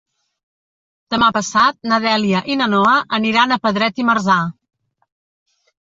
Demà passat na Dèlia i na Noa aniran a Pedret i Marzà.